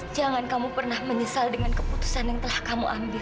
jangan kamu pernah menyesal dengan keputusan yang telah kamu ambil